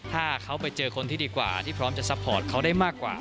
ถ้าเขาไปเจอคนที่ดีกว่าที่พร้อมจะซัพพอร์ตเขาได้มากกว่า